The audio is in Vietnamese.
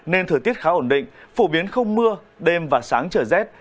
nên thời tiết khá ổn định phổ biến không mưa đêm và sáng trở rét